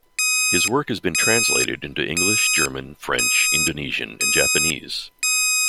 His work has been translated into English, German, French, Indonesian and Japanese.